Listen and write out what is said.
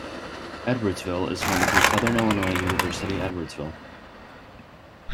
Edwardsville is home to Southern Illinois University Edwardsville.